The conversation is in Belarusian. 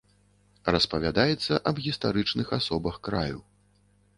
Распавядаецца аб гістарычных асобах краю.